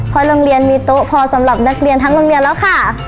เพราะโรงเรียนมีโต๊ะพอสำหรับนักเรียนทั้งโรงเรียนแล้วค่ะ